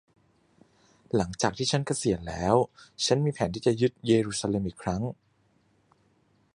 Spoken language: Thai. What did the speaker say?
หลังจากที่ฉันเกษียณแล้ว ฉันมีแผนที่จะยึดเยรูซาเล็มอีกครั้ง